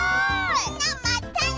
みんなまったね！